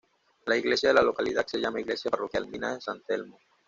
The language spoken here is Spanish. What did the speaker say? La Iglesia de la localidad se llama "Iglesia Parroquial Minas de San Telmo".